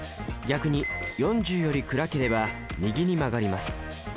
逆に４０より暗ければ右に曲がります。